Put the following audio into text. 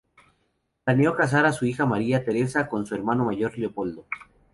Planeó casar a su hija María Teresa con su hermano mayor Leopoldo.